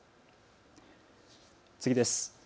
次です。